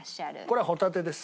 これはホタテです。